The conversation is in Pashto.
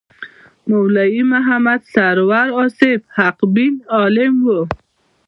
مولوي محمد سرور واصف حقبین عالم و.